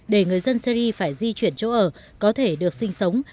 để người dân syri phải di chuyển chỗ ở có thể được sinh sống